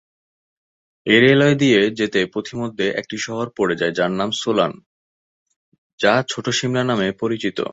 এই রেলওয়ে দিয়ে যেতে পথিমধ্যে একটি শহর পড়ে যার নাম সোলান, যা ছোট সিমলা নামে পরিচিত।